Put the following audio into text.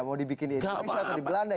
mau dibikin di indonesia atau di belanda